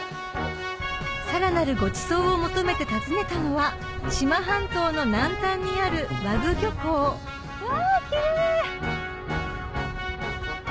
さらなるごちそうを求めて訪ねたのは志摩半島の南端にある和具漁港わぁキレイ！